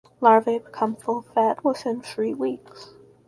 Larvae become full fed within three weeks.